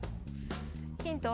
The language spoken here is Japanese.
ヒントは。